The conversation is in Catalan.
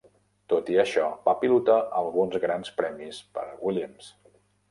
Tot i això, va pilotar alguns Grans Premis per Williams.